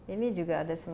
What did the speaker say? ini juga ada semacam